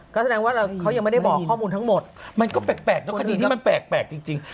ก็แสดงว่าเขายังไม่ได้บอกข้อมูลทั้งหมดมันก็แปลกเนอะคดีนี้มันแปลกจริง